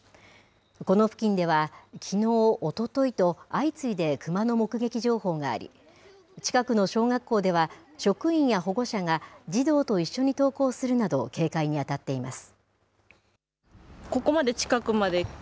この付近では、きのう、おとといと相次いでクマの目撃情報があり、近くの小学校では職員や保護者が児童と一緒に登校するなど警戒に当たっています。